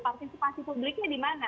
partisipasi publiknya di mana